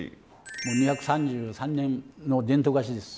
もう２３３年の伝統菓子です。